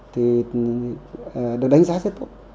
thì được đánh giá rất tốt